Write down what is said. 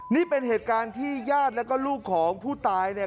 นี่เป็นเหตุการณ์ที่ญาติแล้วก็ลูกของผู้ตายเนี่ย